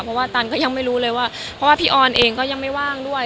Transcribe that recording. เพราะว่าตันก็ยังไม่รู้เลยว่าเพราะว่าพี่ออนเองก็ยังไม่ว่างด้วย